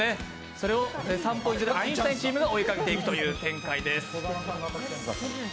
それをアインシュタインチーム３ポイントで追いかけていくという展開です。